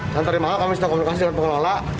dan terima kasih kami sudah komunikasi dengan pengelola